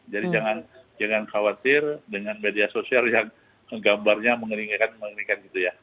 jangan khawatir dengan media sosial yang gambarnya mengeringkan mengeringkan gitu ya